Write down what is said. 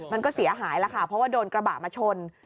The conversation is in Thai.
มันก็เสียหายแล้วค่ะเพราะว่าโดนกระบะมาชน